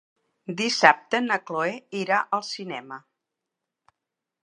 Dissabte na Cloè irà al cinema.